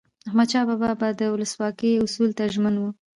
احمدشاه بابا به د ولسواکۍ اصولو ته ژمن و.